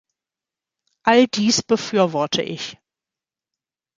All dies befürworte ich.